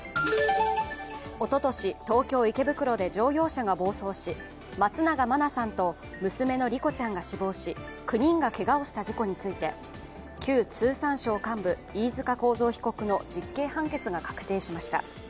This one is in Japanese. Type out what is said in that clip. おととし、東京・池袋で乗用車が暴走し松永真菜さんと娘の莉子ちゃんが死亡し９人がけがをした事故について、旧通産省幹部、飯塚被告の実刑判決が確定しました。